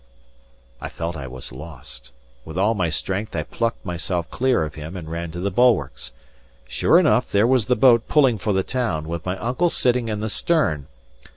I felt I was lost. With all my strength, I plucked myself clear of him and ran to the bulwarks. Sure enough, there was the boat pulling for the town, with my uncle sitting in the stern.